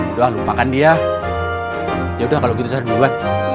udah lupakan dia ya udah kalau gitu saya duluan